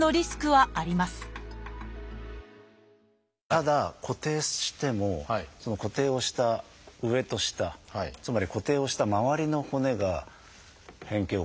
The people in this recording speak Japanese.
ただ固定してもその固定をした上と下つまり固定をした周りの骨が変形を起こしてしまうと。